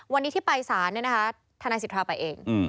วันนี้ที่ไปสารเนี่ยนะคะทนายสิทธาไปเอง